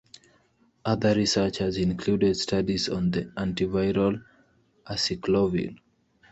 Other research has included studies on the antiviral aciclovir.